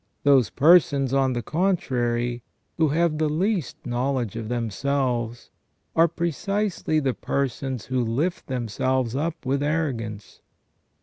Those persons, on the contrary, who have the least knowledge of themselves are precisely the persons who lift themselves up with arrogance.